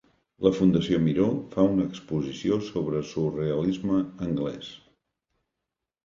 La Fundació Miró fa una exposició sobre surrealisme anglès